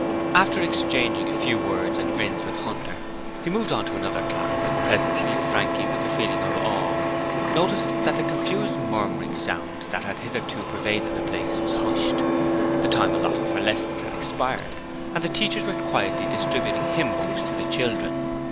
After exchanging a few words and grins with Hunter, he moved on to another class, and presently Frankie with a feeling of awe noticed that the confused murmuring sound that had hitherto pervaded the place was hushed. The time allotted for lessons had expired, and the teachers were quietly distributing hymn books to the children.